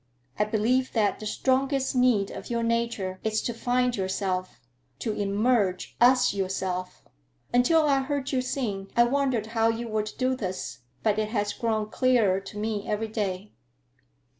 I believe that the strongest need of your nature is to find yourself, to emerge AS yourself. Until I heard you sing I wondered how you were to do this, but it has grown clearer to me every day."